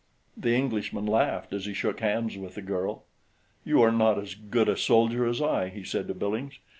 The Englishman laughed as he shook hands with the girl. "You are not as good a soldier as I," he said to Billings.